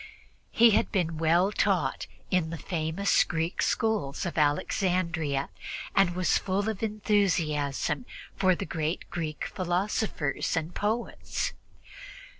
He had been well taught in the famous Greek schools of Alexandria and was full of enthusiasm for the great Greek philosophers and poets.